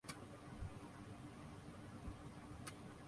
عقل اور دانشمندی کی انتہا دیکھیے۔